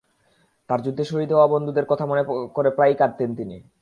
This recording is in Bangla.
যুদ্ধে তাঁর শহীদ হওয়া বন্ধুদের কথা মনে করে প্রায়ই কাঁদতেন তিনি।